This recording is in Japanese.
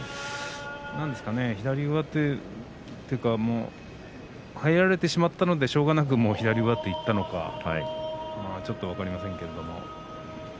何ですかね、左上手というか入られてしまったのでしかたなく左上手にいったのかちょっと分かりませんけど。